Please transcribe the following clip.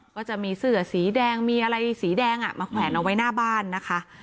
ก็จะมีเสื้อสีแดงมีอะไรสีแดงมาแขวนเอาไว้หน้าบ้านนะคะ